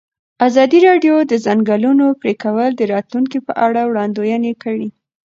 ازادي راډیو د د ځنګلونو پرېکول د راتلونکې په اړه وړاندوینې کړې.